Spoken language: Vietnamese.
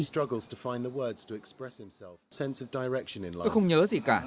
tôi không nhớ gì cả